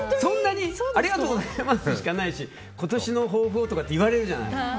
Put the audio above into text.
ありがとうございますしかないし今年の抱負をとか言われるじゃない。